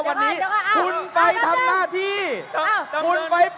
วันนี้คุณไปทำหน้าที่คุณไป